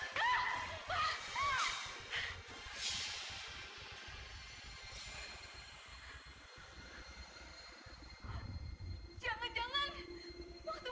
dan terus saya ini hantu